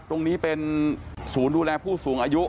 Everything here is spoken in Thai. ตรงนี้เป็นศูนย์ดูแลผู้สูงอายุ